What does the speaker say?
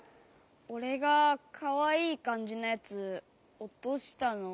おれがかわいいかんじのやつおとしたのみたよね？